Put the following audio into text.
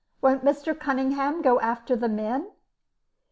"Won't Mr. Cunningham go after the men?"